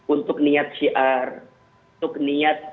untuk niat syiar untuk niat